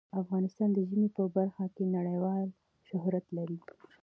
افغانستان د ژمی په برخه کې نړیوال شهرت لري.